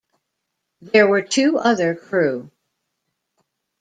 There were two other crew.